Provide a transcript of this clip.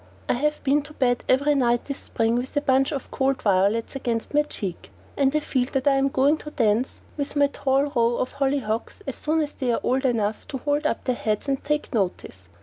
I have been to bed every night this spring with a bunch of cool violets against my cheek, and I feel that I am going to dance with my tall row of hollyhocks as soon as they are old enough to hold up their heads and take notice.